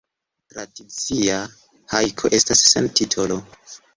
Tradicia hajko estas sen titolo.